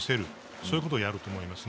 そういうことをすると思います。